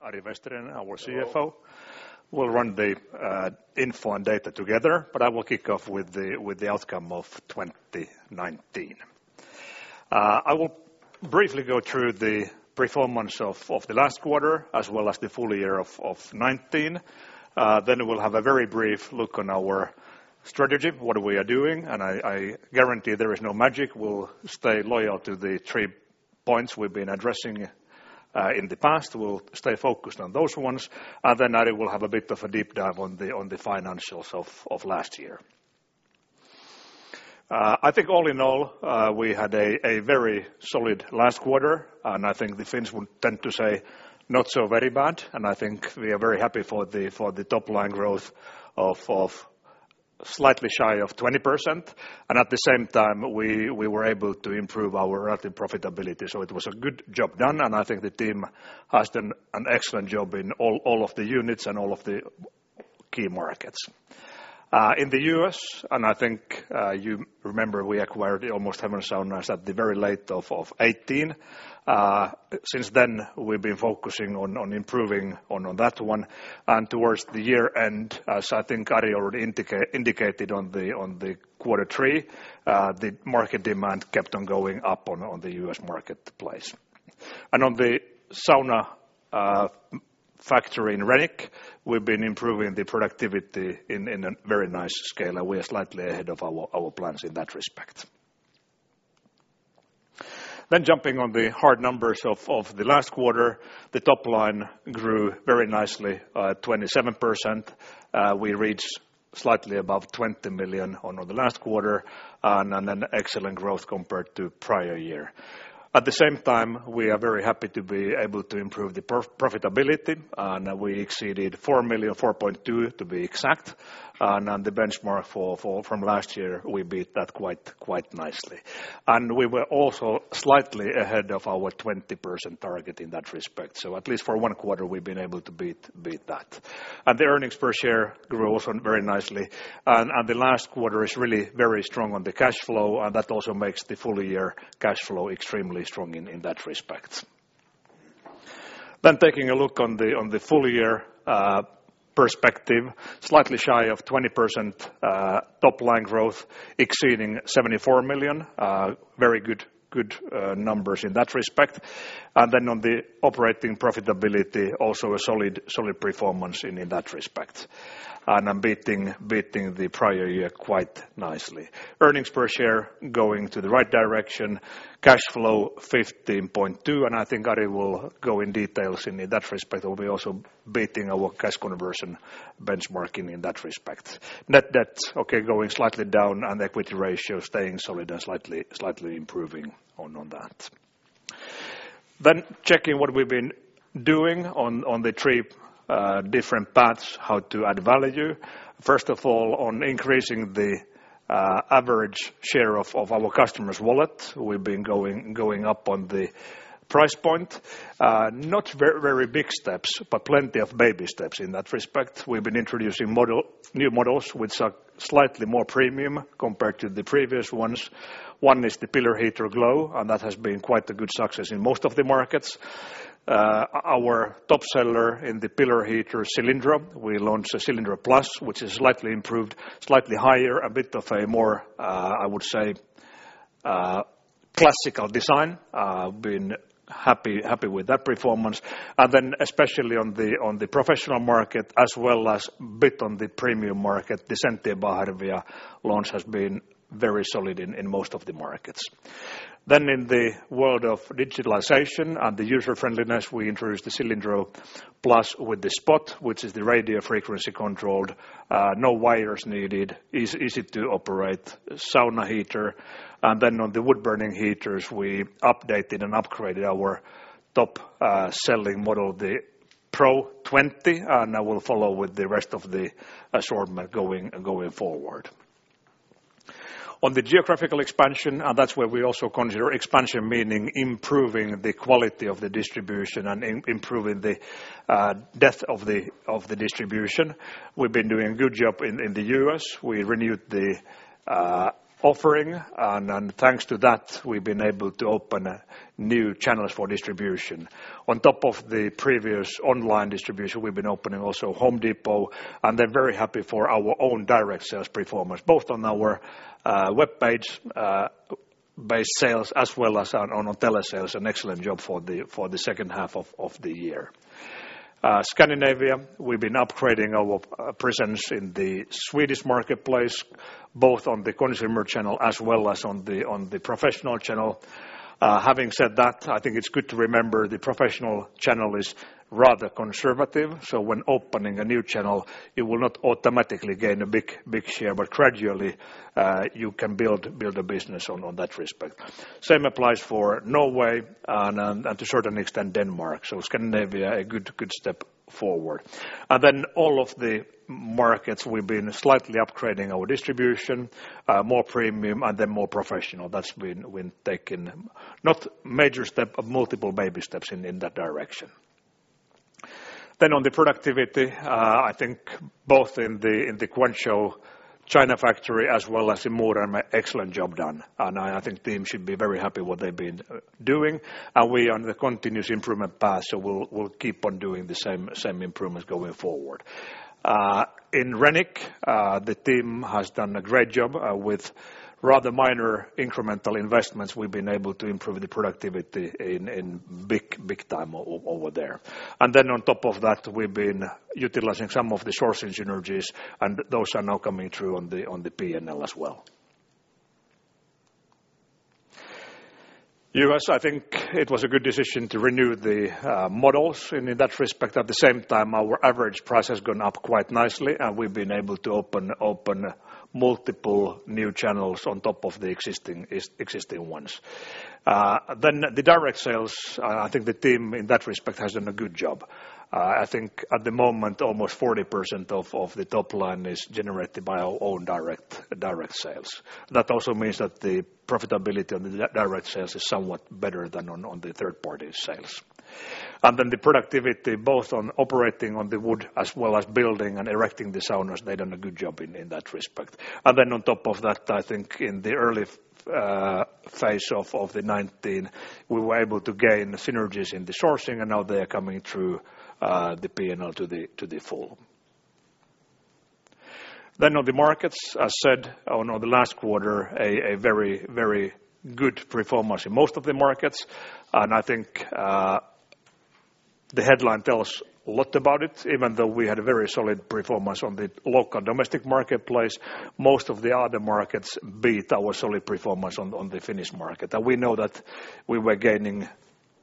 Ari Vesterinen, our CFO. Hello will run the info and data together, but I will kick off with the outcome of 2019. I will briefly go through the performance of the last quarter, as well as the full year of 2019. We'll have a very brief look on our strategy, what we are doing, and I guarantee there is no magic. We'll stay loyal to the three points we've been addressing in the past. We'll stay focused on those ones. Ari will have a bit of a deep dive on the financials of last year. I think all in all, we had a very solid last quarter, and I think the Finns would tend to say not so very bad, and I think we are very happy for the top line growth of slightly shy of 20%, and at the same time we were able to improve our relative profitability. It was a good job done, and I think the team has done an excellent job in all of the units and all of the key markets. In the U.S., and I think you remember, we acquired Almost Heaven Saunas at the very late of 2018. Since then, we've been focusing on improving on that one, and towards the year end, as I think Ari already indicated on the quarter three, the market demand kept on going up on the U.S. marketplace. On the sauna factory in Renick, we've been improving the productivity in a very nice scale, and we are slightly ahead of our plans in that respect. Jumping on the hard numbers of the last quarter, the top line grew very nicely at 27%. We reached slightly above 20 million on the last quarter, and an excellent growth compared to prior year. We are very happy to be able to improve the profitability, we exceeded 4 million, 4.2 million to be exact. The benchmark from last year, we beat that quite nicely. We were also slightly ahead of our 20% target in that respect. At least for one quarter we've been able to beat that. The earnings per share grew also very nicely. The last quarter is really very strong on the cash flow, and that also makes the full year cash flow extremely strong in that respect. Taking a look on the full year perspective, slightly shy of 20% top line growth exceeding 74 million. Very good numbers in that respect. On the operating profitability, also a solid performance in that respect, and beating the prior year quite nicely. Earnings per share going to the right direction, cash flow 15.2 million and I think Ari will go in details in that respect. We'll be also beating our cash conversion benchmarking in that respect. Net debt, okay, going slightly down and equity ratio staying solid and slightly improving on that. Checking what we've been doing on the three different paths, how to add value. First of all, on increasing the average share of our customers' wallet. We've been going up on the price point. Not very big steps, but plenty of baby steps in that respect. We've been introducing new models which are slightly more premium compared to the previous ones. One is the pillar heater Glow, and that has been quite a good success in most of the markets. Our top seller in the pillar heater Cilindro, we launched a Cilindro Plus, which is slightly improved, slightly higher, a bit of a more, I would say, classical design. Been happy with that performance. Then especially on the professional market as well as bit on the premium market, the Sentio by Harvia launch has been very solid in most of the markets. Then in the world of digitalization and the user friendliness, we introduced the Cilindro Plus with the Spot, which is the radio frequency controlled, no wires needed, easy to operate sauna heater. Then on the wood burning heaters, we updated and upgraded our top selling model, the Pro 20, and that will follow with the rest of the assortment going forward. On the geographical expansion, that's where we also consider expansion, meaning improving the quality of the distribution and improving the depth of the distribution. We've been doing a good job in the U.S. We renewed the offering. Thanks to that, we've been able to open new channels for distribution. On top of the previous online distribution, we've been opening also The Home Depot. They're very happy for our own direct sales performance, both on our webpage-based sales as well as on our telesales, an excellent job for the second half of the year. Scandinavia, we've been upgrading our presence in the Swedish marketplace, both on the consumer channel as well as on the professional channel. Having said that, I think it's good to remember the professional channel is rather conservative. When opening a new channel, it will not automatically gain a big share, but gradually you can build a business on that respect. Same applies for Norway and to a certain extent, Denmark. Scandinavia, a good step forward. All of the markets, we've been slightly upgrading our distribution, more premium and then more professional. That's been taken, not major step, but multiple baby steps in that direction. On the productivity, I think both in the Guangzhou, China factory as well as in excellent job done, and I think the team should be very happy with what they've been doing. We are on the continuous improvement path, so we will keep on doing the same improvements going forward. In Renick, the team has done a great job with rather minor incremental investments. We've been able to improve the productivity in big time over there. On top of that, we've been utilizing some of the sourcing synergies, and those are now coming through on the P&L as well. U.S., I think it was a good decision to renew the models in that respect. At the same time, our average price has gone up quite nicely, and we've been able to open multiple new channels on top of the existing ones. The direct sales, I think the team in that respect has done a good job. I think at the moment, almost 40% of the top line is generated by our own direct sales. That also means that the profitability on the direct sales is somewhat better than on the third-party sales. The productivity, both on operating on the wood as well as building and erecting the saunas, they've done a good job in that respect. On top of that, I think in the early phase of 2019, we were able to gain synergies in the sourcing, and now they are coming through the P&L to the full. On the markets, as said, on the last quarter, a very good performance in most of the markets. I think the headline tells a lot about it, even though we had a very solid performance on the local domestic marketplace. Most of the other markets beat our solid performance on the Finnish market. We know that we were gaining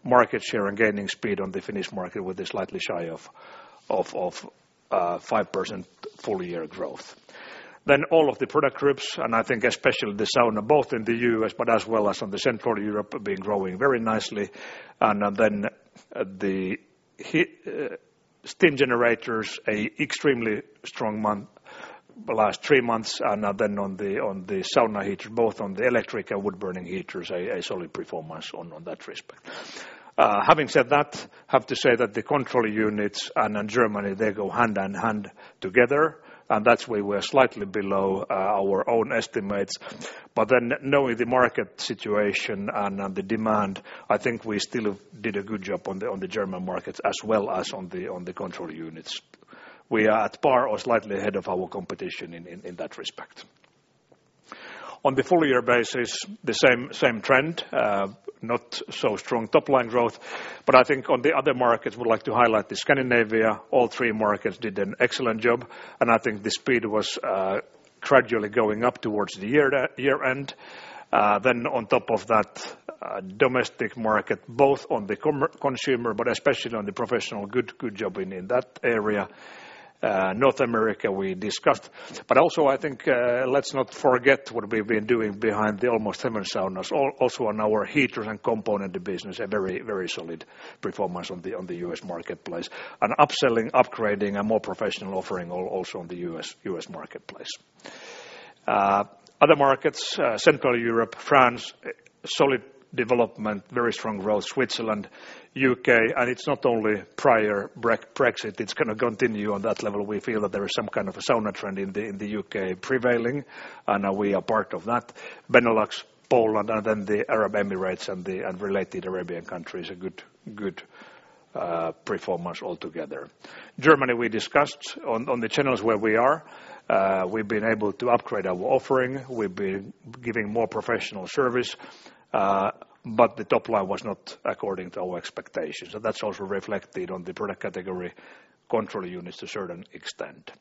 market share and gaining speed on the Finnish market with a slightly shy of 5% full-year growth. All of the product groups, and I think especially the sauna, both in the U.S., but as well as on the Central Europe, have been growing very nicely. The steam generators, extremely strong month, last three months. On the sauna heat, both on the electric and wood burning heaters, a solid performance on that respect. I have to say that the control units and Germany, they go hand in hand together, and that's why we're slightly below our own estimates. Knowing the market situation and the demand, I think we still did a good job on the German markets as well as on the control units. We are at par or slightly ahead of our competition in that respect. On the full-year basis, the same trend, not so strong top line growth, I think on the other markets, would like to highlight the Scandinavia. All three markets did an excellent job, I think the speed was gradually going up towards the year-end. On top of that, domestic market, both on the consumer, especially on the professional, good job in that area. North America, we discussed. Also, I think let's not forget what we've been doing behind the Almost Heaven Saunas. Also on our heater and component business, a very solid performance on the U.S. marketplace. Upselling, upgrading, a more professional offering also on the U.S. marketplace. Other markets, Central Europe, France, solid development, very strong growth. Switzerland, U.K., and it's not only prior Brexit, it's going to continue on that level. We feel that there is some kind of a sauna trend in the U.K. prevailing, and we are part of that. Benelux, Poland, and then the Arab Emirates and related Arabian countries, a good performance altogether. Germany, we discussed on the channels where we are. We've been able to upgrade our offering. We've been giving more professional service. The top line was not according to our expectations. That's also reflected on the product category control units to a certain extent.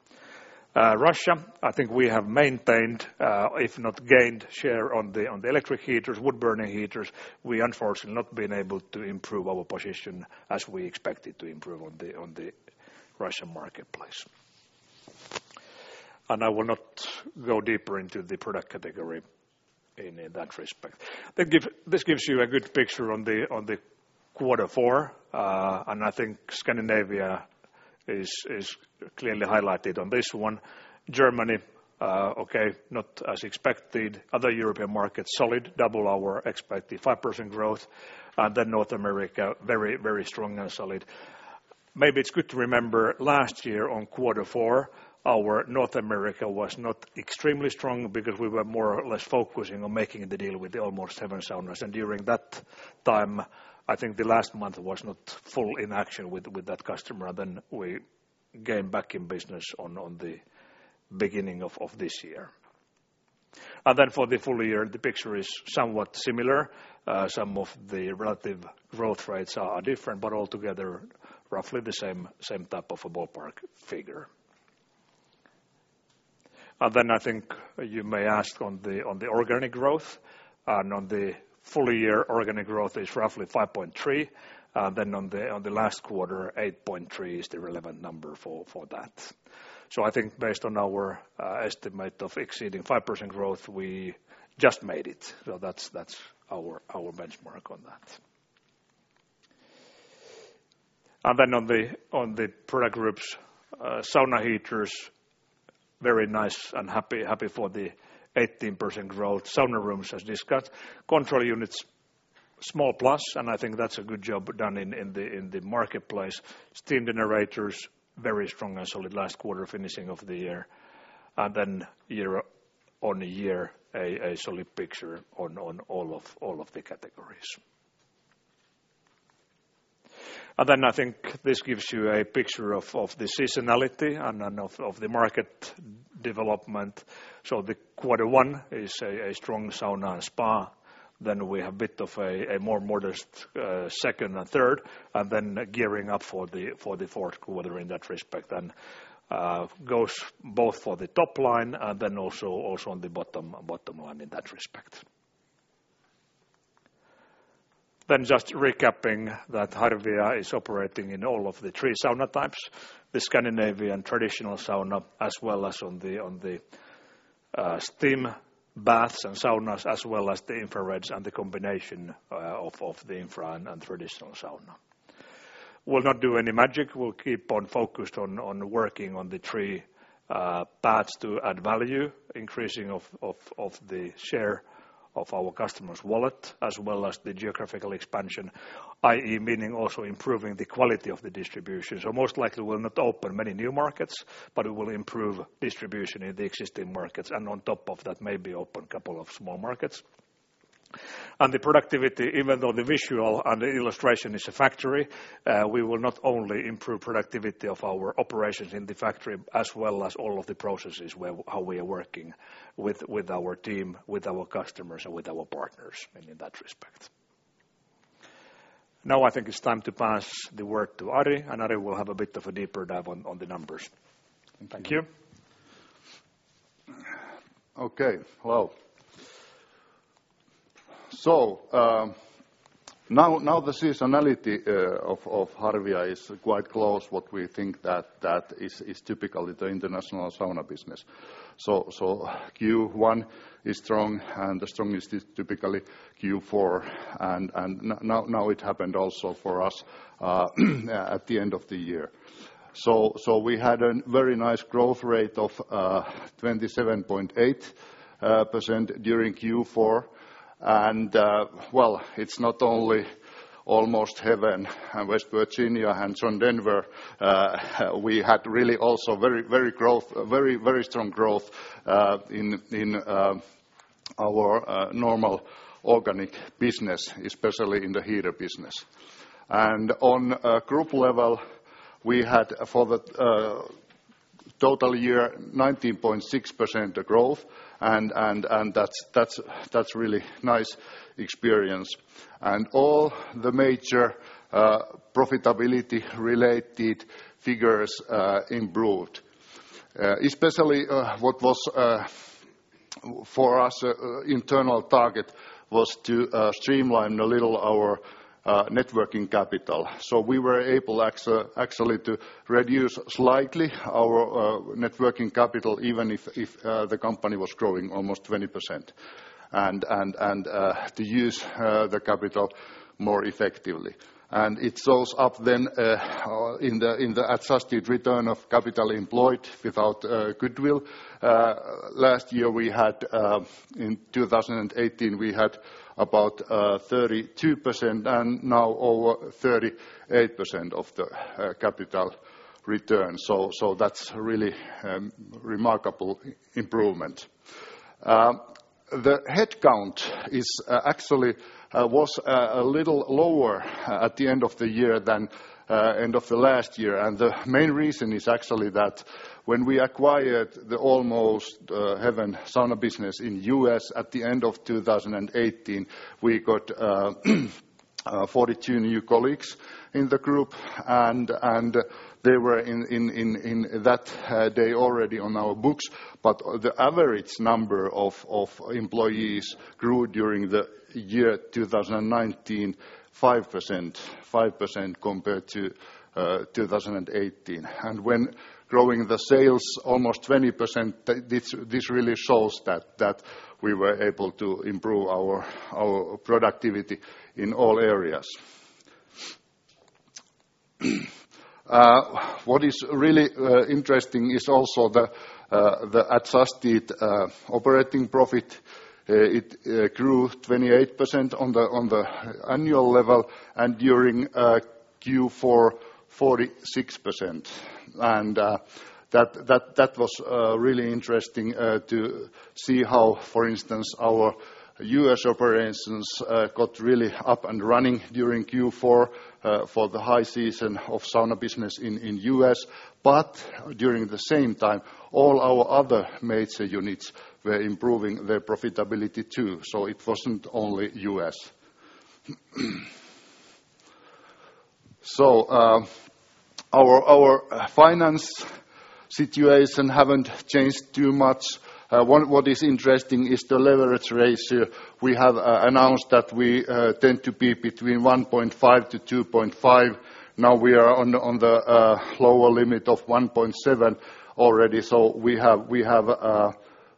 Russia, I think we have maintained if not gained share on the electric heaters, wood burning heaters. We unfortunately not been able to improve our position as we expected to improve on the Russian marketplace. I will not go deeper into the product category in that respect. This gives you a good picture on the quarter four. I think Scandinavia is clearly highlighted on this one. Germany, okay, not as expected. Other European markets, solid, double our expected 5% growth. North America, very strong and solid. Maybe it's good to remember last year on quarter four, our North America was not extremely strong because we were more or less focusing on making the deal with Almost Heaven Saunas. During that time, I think the last month was not full in action with that customer. We came back in business on the beginning of this year. For the full year, the picture is somewhat similar. Some of the relative growth rates are different, but altogether roughly the same type of a ballpark figure. I think you may ask on the organic growth and on the full year organic growth is roughly 5.3%. On the last quarter, 8.3% is the relevant number for that. I think based on our estimate of exceeding 5% growth, we just made it. That's our benchmark on that. On the product groups, sauna heaters, very nice and happy for the 18% growth. Sauna rooms as discussed. Control units, small plus, and I think that's a good job done in the marketplace. Steam generators, very strong and solid last quarter finishing of the year. Year-on-year, a solid picture on all of the categories. I think this gives you a picture of the seasonality and of the market development. The quarter one is a strong sauna spa. We have bit of a more modest second and third, and then gearing up for the fourth quarter in that respect, and goes both for the top line and then also on the bottom line in that respect. Just recapping that Harvia is operating in all of the three sauna types, the Scandinavian traditional sauna, as well as on the steam baths and saunas, as well as the infrareds and the combination of the infra and traditional sauna. We'll not do any magic. We'll keep on focused on working on the three paths to add value, increasing of the share of our customers' wallet, as well as the geographical expansion, i.e., meaning also improving the quality of the distribution. Most likely we'll not open many new markets, but it will improve distribution in the existing markets, and on top of that, maybe open couple of small markets. The productivity, even though the visual and the illustration is a factory, we will not only improve productivity of our operations in the factory, as well as all of the processes how we are working with our team, with our customers, and with our partners in that respect. Now I think it's time to pass the work to Ari. Ari will have a bit of a deeper dive on the numbers. Thank you. Okay. Hello. Now the seasonality of Harvia is quite close, what we think that is typical with the international sauna business. Q1 is strong, and the strongest is typically Q4. Now it happened also for us at the end of the year. We had a very nice growth rate of 27.8% during Q4, and well, it's not only Almost Heaven, and West Virginia, and Denver. We had really also very strong growth in our normal organic business, especially in the heater business. On a group level, we had for the total year 19.6% growth, and that's really nice experience. All the major profitability-related figures improved. Especially, what was for us internal target was to streamline a little our net working capital. We were able actually to reduce slightly our net working capital, even if the company was growing almost 20%, and to use the capital more effectively. It shows up then in the adjusted return on capital employed without goodwill. Last year in 2018, we had about 32% and now over 38% of the capital return. That's really remarkable improvement. The headcount actually was a little lower at the end of the year than end of the last year, and the main reason is actually that when we acquired the Almost Heaven Saunas business in U.S. at the end of 2018, we got 42 new colleagues in the group, and they were in that day already on our books. The average number of employees grew during the year 2019, 5%, compared to 2018. When growing the sales almost 20%, this really shows that we were able to improve our productivity in all areas. What is really interesting is also the adjusted operating profit. It grew 28% on the annual level and during Q4, 46%. That was really interesting to see how, for instance, our U.S. operations got really up and running during Q4 for the high season of sauna business in U.S. During the same time, all our other major units were improving their profitability too. It wasn't only U.S. Our finance situation haven't changed too much. What is interesting is the leverage ratio. We have announced that we tend to be between 1.5-2.5. Now we are on the lower limit of 1.7 already, so we have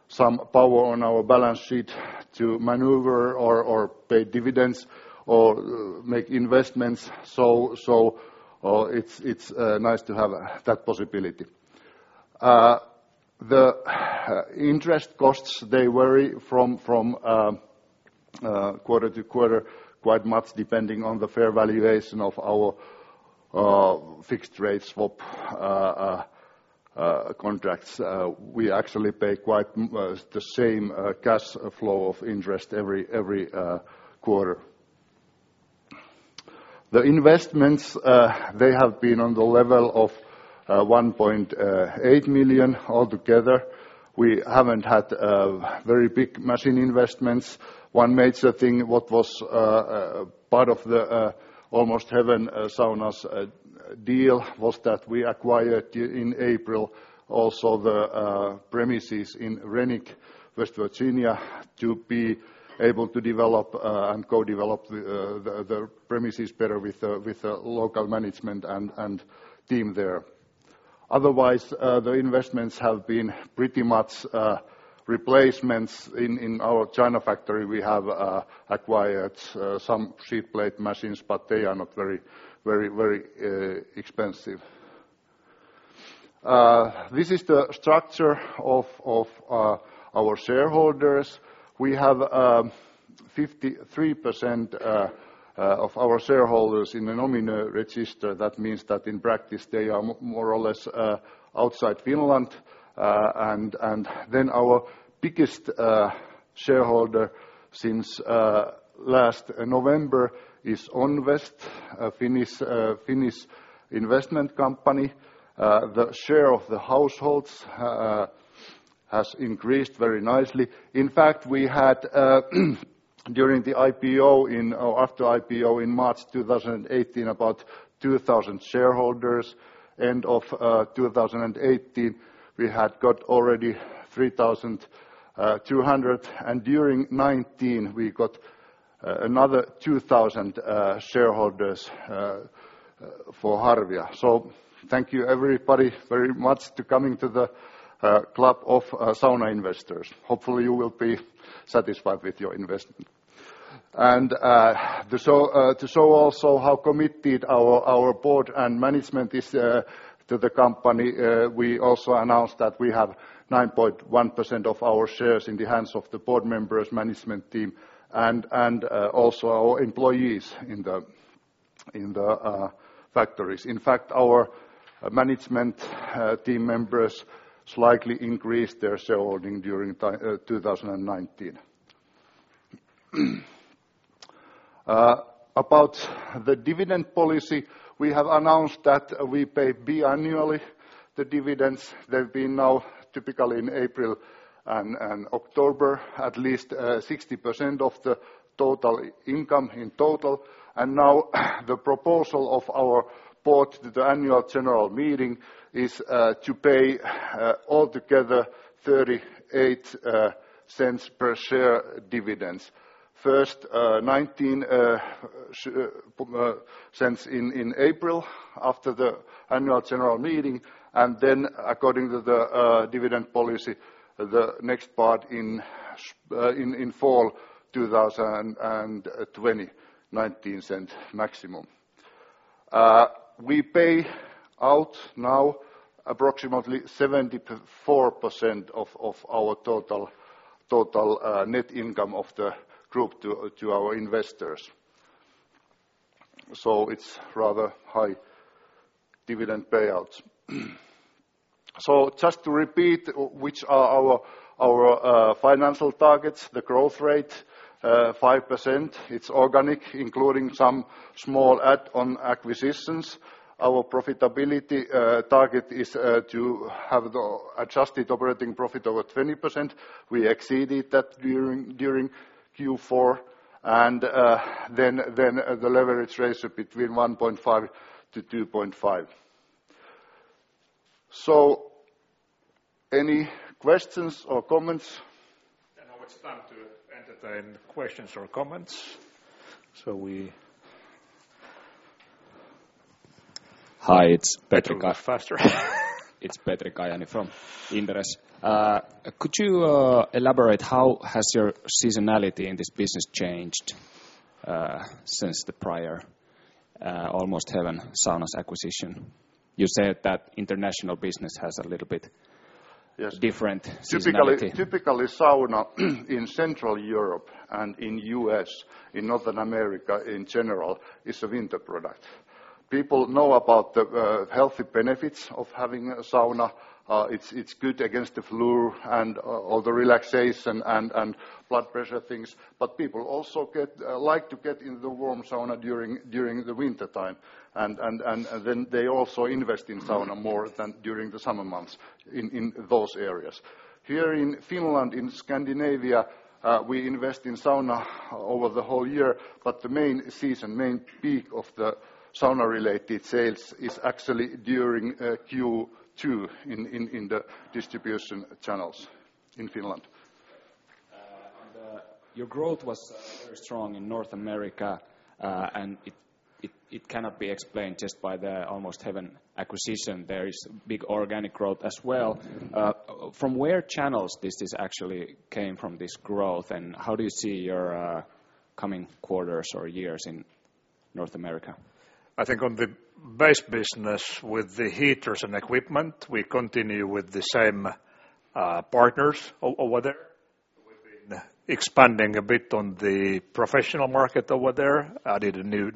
Some power on our balance sheet to maneuver or pay dividends or make investments, so it's nice to have that possibility. The interest costs, they vary from quarter-to-quarter quite much, depending on the fair valuation of our fixed rate swap contracts. We actually pay quite the same cash flow of interest every quarter. The investments, they have been on the level of 1.8 million all together. We haven't had very big machine investments. One major thing what was part of the Almost Heaven Saunas deal was that we acquired, in April, also the premises in Renick, West Virginia, to be able to develop and co-develop the premises better with the local management and team there. Otherwise, the investments have been pretty much replacements. In our China factory, we have acquired some sheet plate machines, but they are not very expensive. This is the structure of our shareholders. We have 53% of our shareholders in the nominee register. That means that in practice, they are more or less outside Finland. Our biggest shareholder since last November is Onvest, a Finnish investment company. The share of the households has increased very nicely. In fact, we had during the IPO or after IPO in March 2018, about 2,000 shareholders. End of 2018, we had got already 3,200. During 2019, we got another 2,000 shareholders for Harvia. Thank you everybody very much to coming to the club of sauna investors. Hopefully, you will be satisfied with your investment. To show also how committed our board and management is to the company, we also announced that we have 9.1% of our shares in the hands of the board members, management team, and also our employees in the factories. In fact, our management team members slightly increased their shareholding during 2019. About the dividend policy, we have announced that we pay biannually the dividends. They've been now typically in April and October, at least 60% of the total income in total. Now the proposal of our board to the annual general meeting is to pay altogether 0.38 per share dividends. First, 0.19 in April after the annual general meeting, then according to the dividend policy, the next part in fall 2020, EUR 0.19 maximum. We pay out now approximately 74% of our total net income of the group to our investors. It's rather high dividend payouts. Just to repeat, which are our financial targets, the growth rate 5%. It's organic, including some small add-on acquisitions. Our profitability target is to have the adjusted operating profit over 20%. We exceeded that during Q4, the leverage ratio between 1.5-2.5. Any questions or comments? Now it's time to entertain questions or comments. Hi, it's Petri. I talk faster. It's Petri Kajaani from Inderes. Could you elaborate how has your seasonality in this business changed since the prior Almost Heaven Saunas acquisition? You said that international business has a little bit- Yes different seasonality. Typically, sauna in Central Europe and in the U.S., in North America in general, is a winter product. People know about the healthy benefits of having a sauna. It's good against the flu and all the relaxation and blood pressure things. People also like to get in the warm sauna during the wintertime. They also invest in sauna more than during the summer months in those areas. Here in Finland, in Scandinavia, we invest in sauna over the whole year, but the main season, main peak of the sauna-related sales is actually during Q2 in the distribution channels in Finland. Your growth was very strong in North America, and it cannot be explained just by the Almost Heaven acquisition. There is big organic growth as well. From where channels this is actually came from this growth, and how do you see your coming quarters or years in North America? I think on the base business with the heaters and equipment, we continue with the same partners over there. We've been expanding a bit on the professional market over there, added a new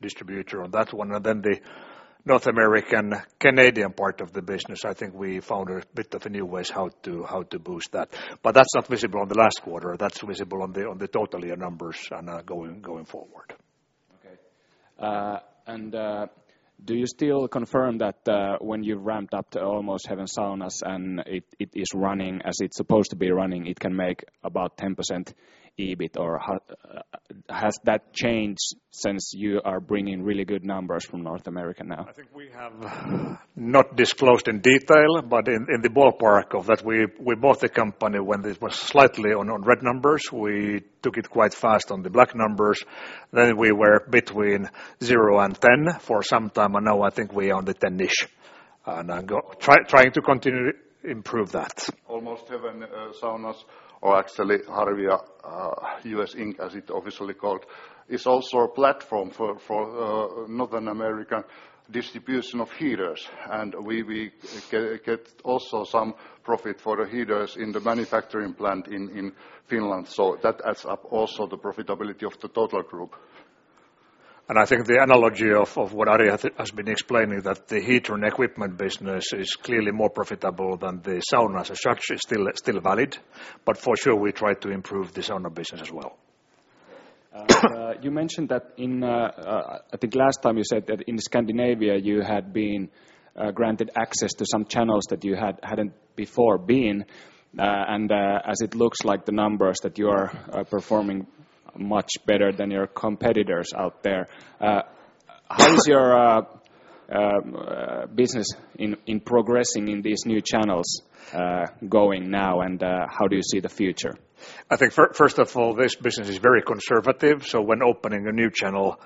distributor on that one, and then the North American, Canadian part of the business, I think we found a bit of new ways how to boost that. That's not visible on the last quarter. That's visible on the total year numbers and going forward. Okay. Do you still confirm that when you've ramped up the Almost Heaven Saunas and it is running as it's supposed to be running, it can make about 10% EBIT, or has that changed since you are bringing really good numbers from North America now? I think we have not disclosed in detail, but in the ballpark of that, we bought the company when it was slightly on red numbers. We took it quite fast on the black numbers. We were between 0 and 10 for some time, and now I think we are on the 10-ish, and trying to continue improve that. Almost Heaven Saunas or actually Harvia US Inc. as it officially called, is also a platform for North American distribution of heaters, and we get also some profit for the heaters in the manufacturing plant in Finland. That adds up also the profitability of the total group. I think the analogy of what Ari has been explaining, that the heater and equipment business is clearly more profitable than the sauna as a structure is still valid. For sure, we try to improve the sauna business as well. You mentioned that in I think last time you said that in Scandinavia, you had been granted access to some channels that you hadn't before been, and as it looks like the numbers that you are performing much better than your competitors out there. How is your business in progressing in these new channels going now, and how do you see the future? I think first of all, this business is very conservative. When opening a new channel,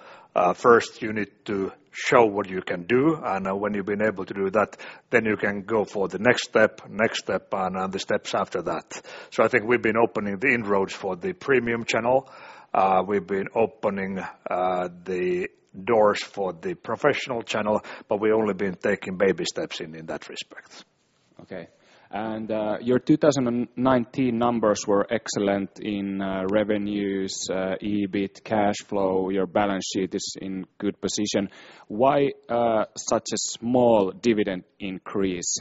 first you need to show what you can do. When you've been able to do that, then you can go for the next step, next step, and the steps after that. I think we've been opening the inroads for the premium channel. We've been opening the doors for the professional channel, but we only been taking baby steps in that respect. Okay. Your 2019 numbers were excellent in revenues, EBIT, cash flow, your balance sheet is in good position. Why such a small dividend increase?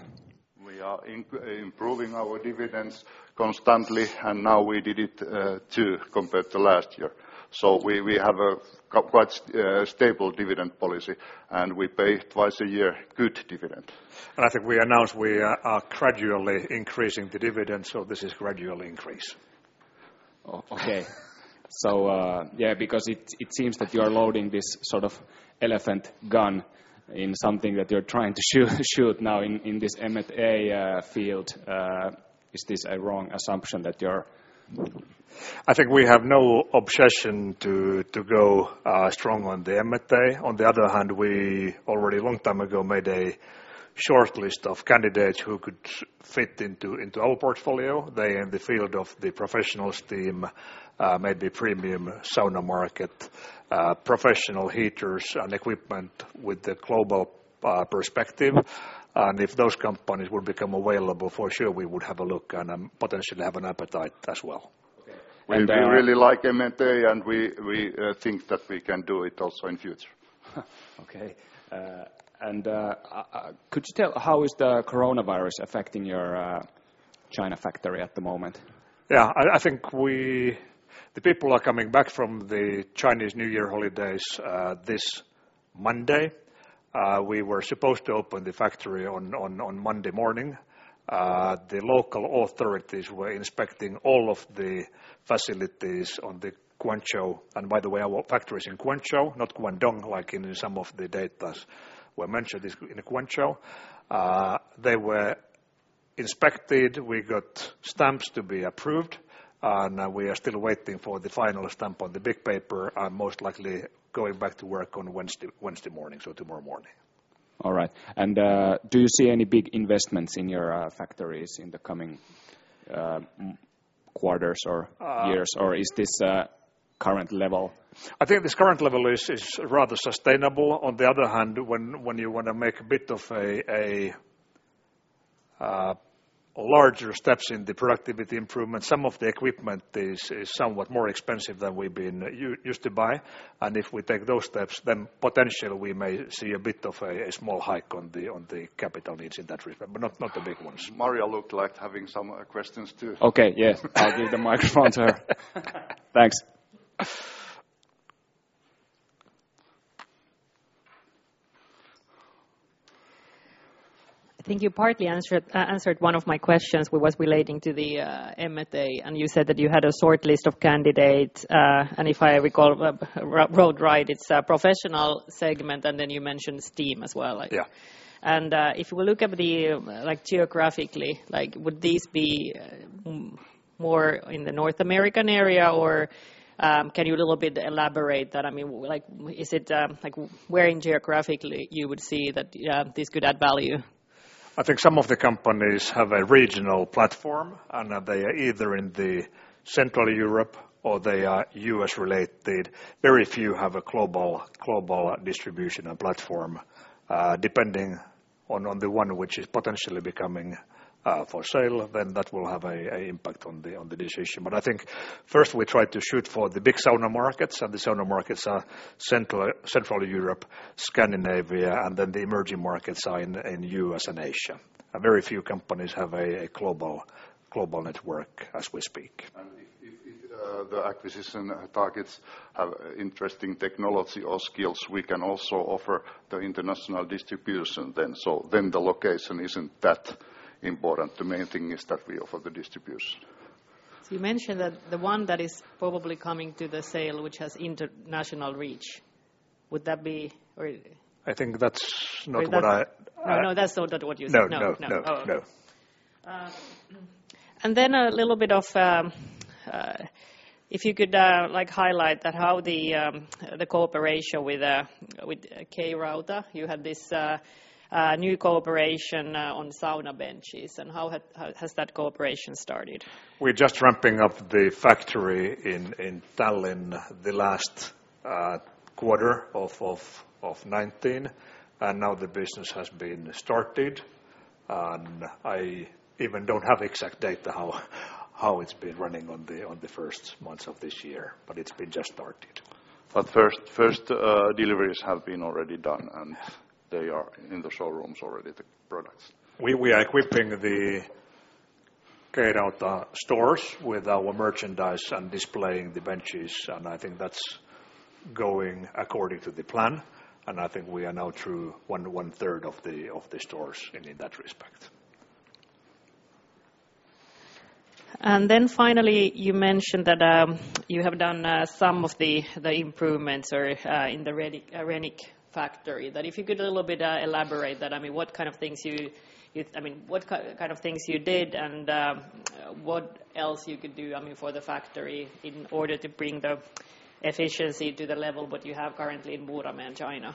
We are improving our dividends constantly, and now we did it too, compared to last year. We have a quite stable dividend policy, and we pay twice a year good dividend. I think we announced we are gradually increasing the dividend, so this is gradual increase. Okay. Yeah, because it seems that you are loading this sort of elephant gun in something that you're trying to shoot now in this M&A field. Is this a wrong assumption that you're? I think we have no obsession to go strong on the M&A. On the other hand, we already long time ago made a shortlist of candidates who could fit into our portfolio. They in the field of the professional steam, maybe premium sauna market, professional heaters and equipment with the global perspective. If those companies would become available, for sure we would have a look and potentially have an appetite as well. Okay. We really like M&A, and we think that we can do it also in future. Okay. Could you tell how is the Coronavirus affecting your China factory at the moment? Yeah. I think the people are coming back from the Chinese New Year holidays this Monday. We were supposed to open the factory on Monday morning. The local authorities were inspecting all of the facilities on the Guangzhou, and by the way, our factory is in Guangzhou, not Guangdong like in some of the data were mentioned, is in Guangzhou. They were inspected. We got stamps to be approved, and we are still waiting for the final stamp on the big paper, and most likely going back to work on Wednesday morning, so tomorrow morning. All right. Do you see any big investments in your factories in the coming quarters or years, or is this current level? I think this current level is rather sustainable. On the other hand, when you want to make a bit of a larger steps in the productivity improvement, some of the equipment is somewhat more expensive than we've been used to buy. If we take those steps, then potentially we may see a bit of a small hike on the capital needs in that respect, but not the big ones. Maria looked like having some questions, too. Okay, yeah. I'll give the microphone to her. Thanks. I think you partly answered one of my questions was relating to the M&A, and you said that you had a shortlist of candidates. If I recall, Harvia Pro, it's a professional segment, and then you mentioned Steam as well. Yeah. If we look geographically, would these be more in the North American area, or can you elaborate that a little bit? Where geographically you would see that this could add value? I think some of the companies have a regional platform. They are either in Central Europe or they are U.S.-related. Very few have a global distribution and platform, depending on the one which is potentially becoming for sale. That will have an impact on the decision. I think first we try to shoot for the big sauna markets. The sauna markets are Central Europe, Scandinavia, and the emerging markets are in U.S. and Asia. Very few companies have a global network as we speak. If the acquisition targets have interesting technology or skills, we can also offer the international distribution then. The location isn't that important. The main thing is that we offer the distribution. You mentioned that the one that is probably coming to the sale, which has international reach. I think that's not what. No, that's not what you said. No. No. No. If you could highlight how the cooperation with K-Rauta, you had this new cooperation on sauna benches and how has that cooperation started? We're just ramping up the factory in Tallinn the last quarter of 2019, and now the business has been started. I even don't have exact data how it's been running on the first months of this year, but it's been just started. First deliveries have been already done, and they are in the showrooms already, the products. We are equipping the K-Rauta stores with our merchandise and displaying the benches, I think that's going according to the plan, I think we are now through 1/3 of the stores in that respect. Finally, you mentioned that you have done some of the improvements in the Renick factory. If you could elaborate that a little bit, what kind of things you did and what else you could do for the factory in order to bring the efficiency to the level that you have currently in Muurame and China?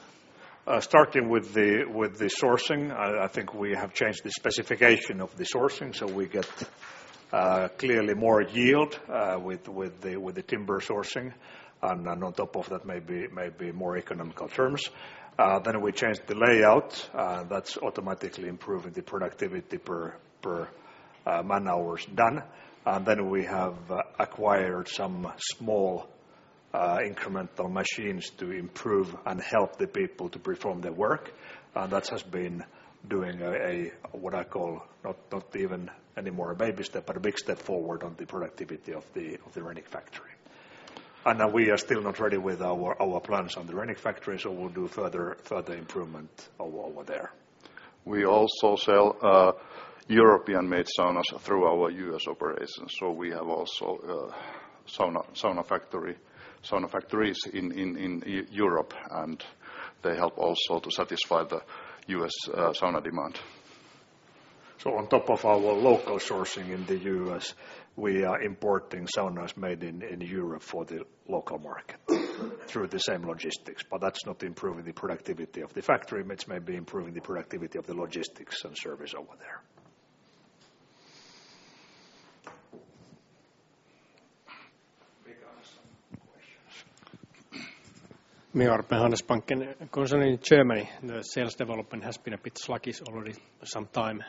Starting with the sourcing, I think we have changed the specification of the sourcing, so we get clearly more yield with the timber sourcing. On top of that, maybe more economical terms. We changed the layout, that's automatically improving the productivity per man-hours done. We have acquired some small incremental machines to improve and help the people to perform their work. That has been doing a, what I call not even any more a baby step, but a big step forward on the productivity of the Renick factory. We are still not ready with our plans on the Renick factory, so we'll do further improvement over there. We also sell European-made saunas through our U.S. operations. We have also sauna factories in Europe, and they help also to satisfy the U.S. sauna demand. On top of our local sourcing in the U.S., we are importing saunas made in Europe for the local market through the same logistics. That's not improving the productivity of the factory, which may be improving the productivity of the logistics and service over there. We got some questions. Handelsbanken. Concerning Germany, the sales development has been a bit sluggish already some time.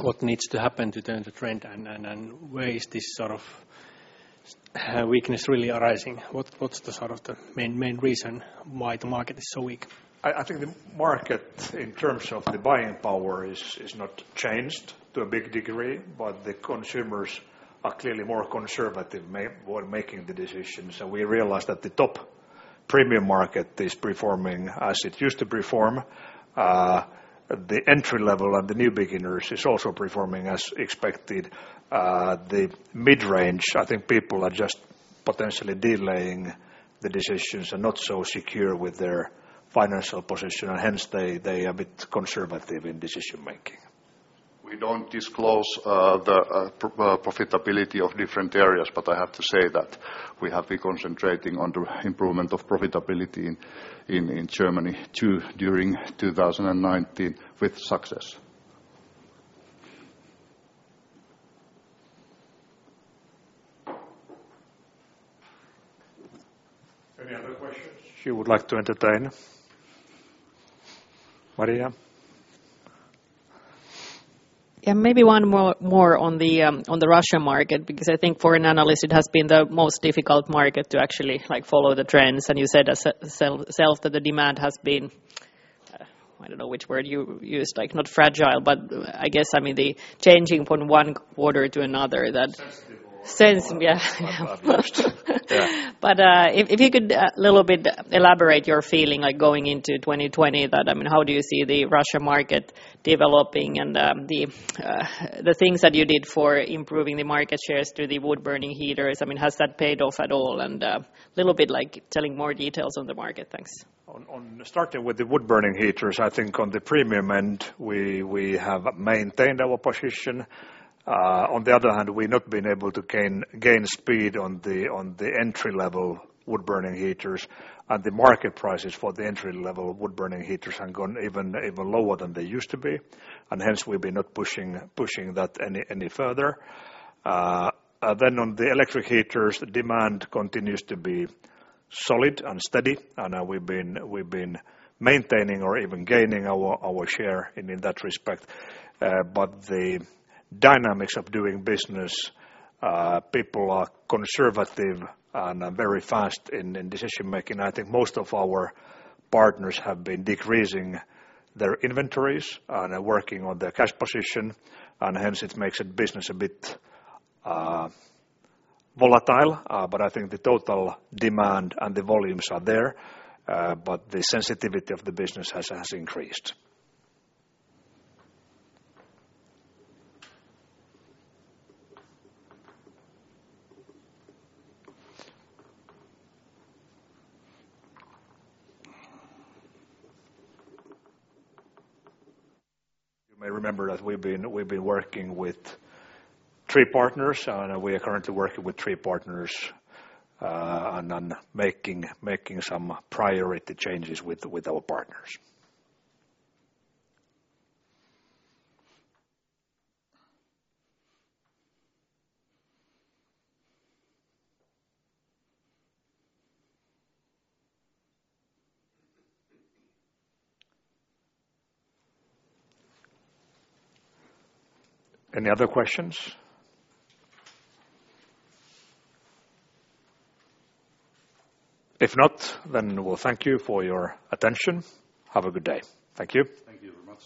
What needs to happen to turn the trend, and where is this sort of weakness really arising? What's the main reason why the market is so weak? I think the market in terms of the buying power is not changed to a big degree, but the consumers are clearly more conservative when making the decisions. We realize that the top premium market is performing as it used to perform. The entry level and the new beginners is also performing as expected. The mid-range, I think people are just potentially delaying the decisions and not so secure with their financial position, and hence they are a bit conservative in decision-making. We don't disclose the profitability of different areas, but I have to say that we have been concentrating on the improvement of profitability in Germany, too, during 2019, with success. Any other questions? You would like to entertain? Maria? Yeah, maybe one more on the Russia market, because I think for an analyst, it has been the most difficult market to actually follow the trends. You said yourself that the demand has been, I don't know which word you used, not fragile, but I guess the changing from one quarter to another. Sensitive or- Yeah. Yeah. If you could elaborate your feeling going into 2020, how do you see the Russia market developing and the things that you did for improving the market shares through the wood-burning heaters? Has that paid off at all? Tell more details on the market. Thanks. Starting with the wood-burning heaters, I think on the premium end, we have maintained our position. On the other hand, we've not been able to gain speed on the entry-level wood-burning heaters. The market prices for the entry-level wood-burning heaters have gone even lower than they used to be. Hence, we'll be not pushing that any further. On the electric heaters, demand continues to be solid and steady. We've been maintaining or even gaining our share in that respect. The dynamics of doing business, people are conservative and very fast in decision-making. I think most of our partners have been decreasing their inventories and are working on their cash position. Hence, it makes business a bit volatile. I think the total demand and the volumes are there. The sensitivity of the business has increased. You may remember that we've been working with three partners, and we are currently working with three partners and making some priority changes with our partners. Any other questions? If not, then we'll thank you for your attention. Have a good day. Thank you. Thank you very much.